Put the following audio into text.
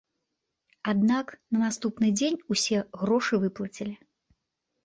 Аднак на наступны дзень усе грошы выплацілі.